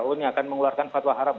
oh ini akan mengeluarkan fatwa haram